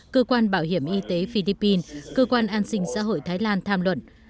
cơ quan bảo hiểm y tế philippines cơ quan an sinh xã hội thái lan tham luận